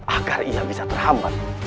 agar ia bisa terhambat